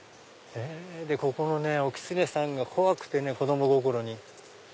ここのねおキツネさんが怖くてね子供心に。